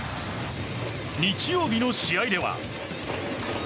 日曜日の試合では。